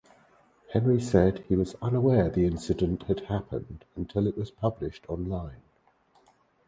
Henry said he was unaware the incident had happened until it was published online.